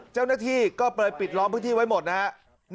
เจ้าหน้าที่ก็เลยปิดล้อมพื้นที่ไว้หมดนะครับ